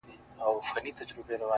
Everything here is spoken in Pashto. • حتمآ به ټول ورباندي وسوځيږي ـ